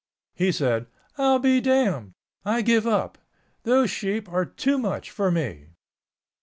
He said, "I'll be damned! I give up. Those sheep are too much for me."